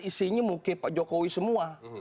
isinya mungkin pak jokowi semua